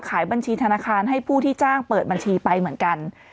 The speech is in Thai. ขายบัญชีธนาคารให้ผู้ที่จ้างเปิดบัญชีไปเหมือนกัน